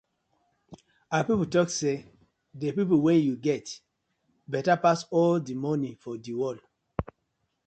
Our pipu tok say dey people wen yu get betta pass all di moni for di world.